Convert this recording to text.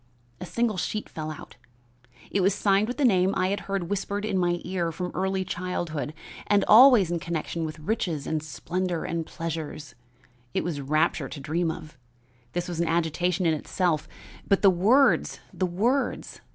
A single sheet fell out; it was signed with the name I had heard whispered in my ear from early childhood, and always in connection with riches and splendor and pleasures, it was rapture to dream of. This was an agitation in itself, but the words the words!